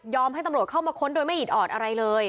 ให้ตำรวจเข้ามาค้นโดยไม่อิดออดอะไรเลย